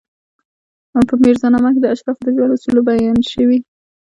په میرزا نامه کې د اشرافو د ژوند اصول بیان شوي.